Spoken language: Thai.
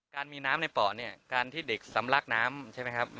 การมีน้ำในป่อเนี่ยการที่เด็กสำลักน้ำใช่ไหมครับ